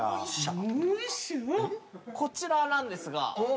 こちらなんですが。